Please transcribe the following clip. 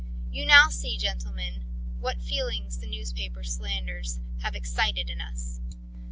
You now see, gentlemen, what feelings the newspaper slanders have excited in us.